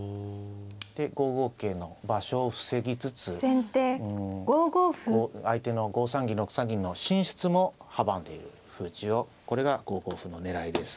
で５五桂の場所を防ぎつつうん相手の５三銀６三銀の進出も阻んでいる歩打ちをこれが５五歩の狙いです。